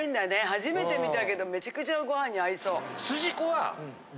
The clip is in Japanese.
初めて見たけどめちゃくちゃごはんに合いそう。